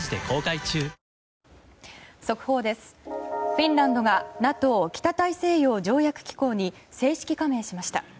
フィンランドがＮＡＴＯ・北大西洋条約機構に正式加盟しました。